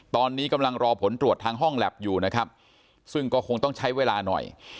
ตอนนี้กำลังรอผลตรวจทางห้องแล็บอยู่นะครับซึ่งก็คงต้องใช้เวลาหน่อย